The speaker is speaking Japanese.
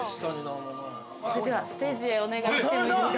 ◆それではステージへお願いしてもいいですか。